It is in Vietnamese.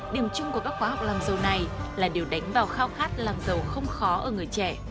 điểm chung của các khóa học làm dầu này là điều đánh vào khao khát làm giàu không khó ở người trẻ